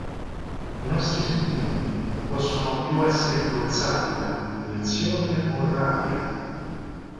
I nostri sentimenti non possono più essere influenzati da indignazione o rabbia.